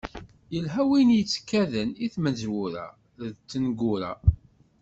Ilha win yettkaden i tmezwura d tneggura.